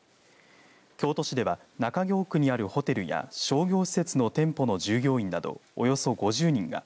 京都市では中京区にあるホテルや商業施設の店舗の従業員などおよそ５０人が